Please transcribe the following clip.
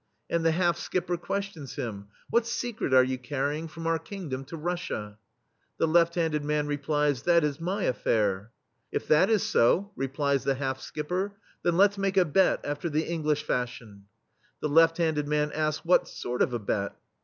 And the half skipper questions him: " What secret are you carrying from our kingdom to Russia?" The left handed man replies: "That is my affair/* "If that is so," replies the half skipper, "then let's make a bet after the English fashion/' The left handed man asks: "What sort of a bet?'